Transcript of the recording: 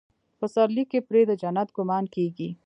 پسرلي کې پرې د جنت ګمان کېږي.